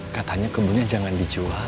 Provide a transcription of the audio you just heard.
katanya kebunnya jangan dijual